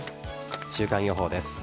週間予報です。